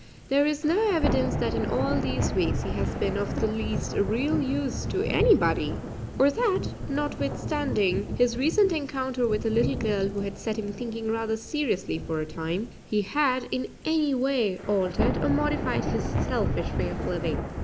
There is no evidence that in all these weeks he has been of the least real use to anybody, or that, notwithstanding his recent encounter with a little girl who had set him thinking rather seriously for a time, he had in any way altered or modified his selfish way of living.